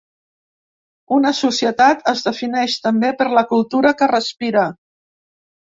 Una societat es defineix, també, per la cultura que respira.